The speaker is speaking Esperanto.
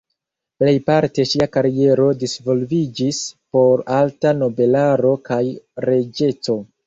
Plejparte ŝia kariero disvolviĝis por alta nobelaro kaj reĝeco.